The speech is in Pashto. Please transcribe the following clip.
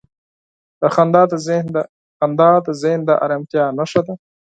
• خندا د ذهن د آرامتیا نښه ده.